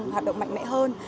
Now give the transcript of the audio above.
hoạt động mạnh mẽ hơn